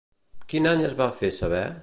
Quin any es va fer saber?